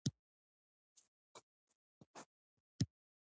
غرونه د افغانستان د طبیعت برخه ده.